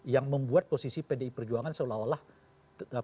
yang membuat posisi perjuangan yang lebih baik dan lebih baik